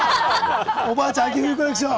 おばあちゃんコレクション。